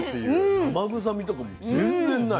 生臭みとかも全然ない。